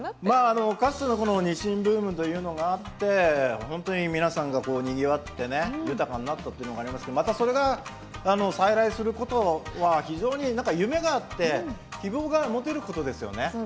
まあかつてのニシンブームというのがあって本当に皆さんがにぎわって豊かになったというのがありますけどまたそれが再来することは非常に何か夢があって希望が持てることですよね。